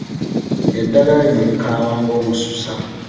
Eddagala lino likaawa ng'omususa.